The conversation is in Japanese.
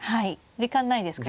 時間ないですからね。